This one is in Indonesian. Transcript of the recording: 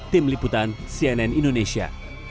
tim liputan cnn indonesia